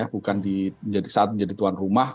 bukan saat menjadi tuan rumah